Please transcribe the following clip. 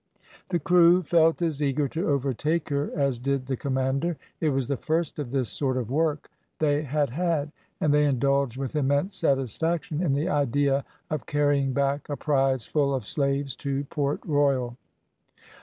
The crew felt as eager to overtake her as did the commander. It was the first of this sort of work they had had, and they indulged with immense satisfaction in the idea of carrying back a prize full of slaves to Port Royal.